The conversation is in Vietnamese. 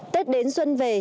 tết đến xuân về